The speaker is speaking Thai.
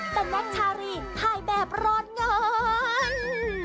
เป็นนักชาลีภายแบบร้อนเงิน